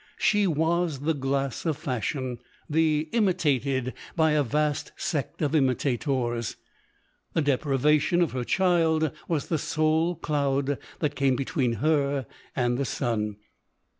She was the glass of fashion — the imitated by a vast sect of imitator . The deprivation of her child was the sole cloud that came between her and the sun.